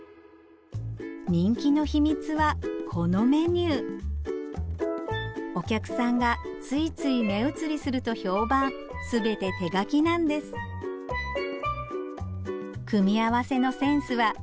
人気の秘密はこのメニューお客さんがついつい目移りすると評判全て手書きなんですっていうちょっと。